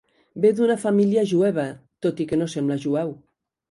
Ve d'una família jueva, tot i que no sembla jueu.